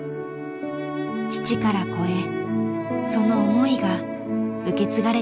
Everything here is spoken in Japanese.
父から子へその思いが受け継がれています。